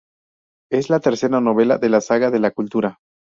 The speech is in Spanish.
Es la tercera novela de la saga de La Cultura.